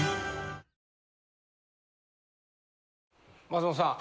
松本さん。